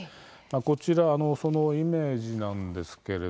こちらそのイメージなんですけれども。